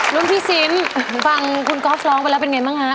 ลุงพิษินฟังคุณกอล์ฟร้องไปแล้วเป็นอย่างไรมั๊ยคะ